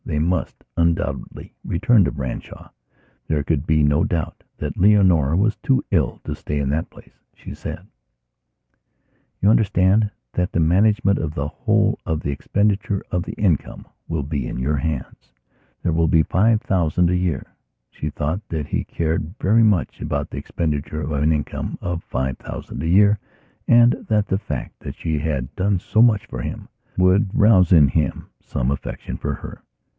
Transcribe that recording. They must, undoubtedly, return to Branshaw; there could be no doubt that Leonora was too ill to stay in that place. She said: "You understand that the management of the whole of the expenditure of the income will be in your hands. There will be five thousand a year." She thought that he cared very much about the expenditure of an income of five thousand a year and that the fact that she had done so much for him would rouse in him some affection for her.